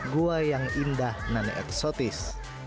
gua yang indah non eksotis